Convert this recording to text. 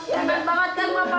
ya allah mak